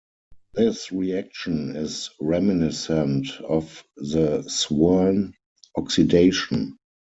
This reaction is reminiscent of the Swern oxidation.